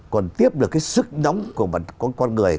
còn tiếp được cái sức nóng của con người